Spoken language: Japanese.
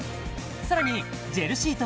さらにジェルシート